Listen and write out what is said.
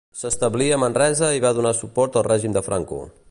S'establí a Manresa i va donar suport al règim de Franco.